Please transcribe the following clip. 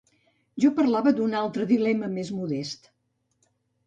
Jo parlava d'un altre dilema més modest.